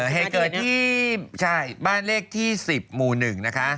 เหตุเกิดที่บ้านเลขที่๑๐หมู่๑นะคะ